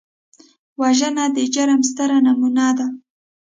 وژنه د جرم ستره نمونه ده